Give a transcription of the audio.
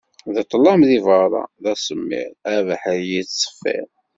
D ṭlam, deg berra d asemmiḍ, abeḥri yettseffir.